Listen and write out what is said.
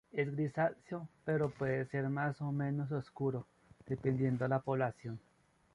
Es grisáceo, pero puede ser más o menos oscuro, dependiendo la población.